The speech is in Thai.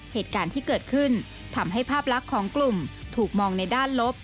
เหตุการณ์ที่เกิดขึ้นทำให้ภาพลักษณ์ของกลุ่มถูกมองในด้านลบ